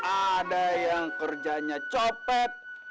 ada yang kerjanya copet